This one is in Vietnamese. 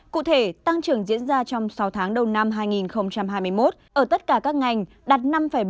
cụ thể tăng trưởng diễn ra trong sáu tháng đầu năm hai nghìn hai mươi một ở tất cả các ngành đạt năm bốn mươi